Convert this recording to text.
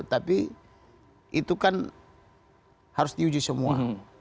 tapi itu kan harus diuji semua